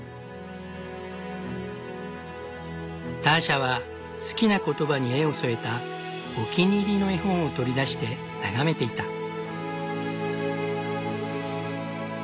ターシャは好きな言葉に絵を添えたお気に入りの絵本を取り出して眺めていた。